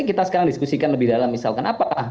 kita sekarang diskusikan lebih dalam misalkan apa